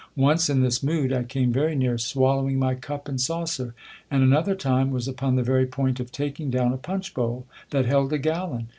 Once, in this mood, I came very near swallowing my cup and saucer; and another time, was upon the very point of taking down a punch bowl, that held a gallon.